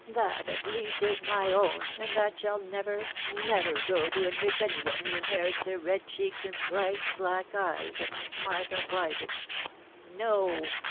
that at least is my own, and that shall never, never go to enrich any one who inherits the red cheeks and bright black eyes of Miss Martha Wisett .... No